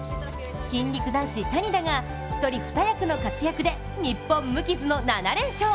筋肉男子・谷田が一人二役の活躍で日本無傷の７連勝。